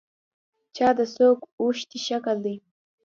چا د څوک اوښتي شکل دی.